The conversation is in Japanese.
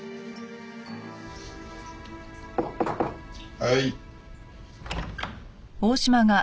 はい。